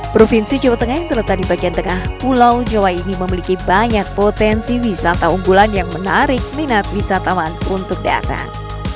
provinsi jawa tengah yang terletak di bagian tengah pulau jawa ini memiliki banyak potensi wisata unggulan yang menarik minat wisatawan untuk datang